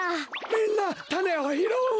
みんなたねをひろうんだ！